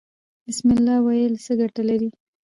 بسم الله ویل څه ګټه لري؟